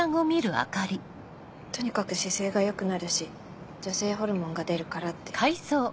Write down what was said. とにかく姿勢が良くなるし女性ホルモンが出るからって。